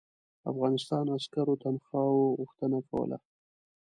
افغانستان عسکرو تنخواوو غوښتنه کوله.